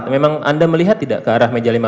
memang anda melihat tidak ke arah meja lima puluh